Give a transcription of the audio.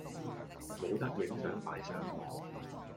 冇得影相擺上網